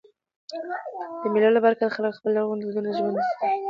د مېلو له برکته خلک خپل لرغوني دودونه ژوندي ساتي.